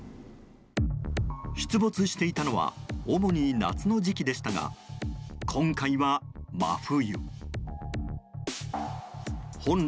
出没していたのは主に夏の時期でしたが今回は真冬。